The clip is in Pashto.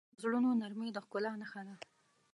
د زړونو نرمي د ښکلا نښه ده.